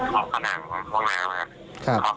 เค้าก็นั่งว่างครั้งมาแล้ว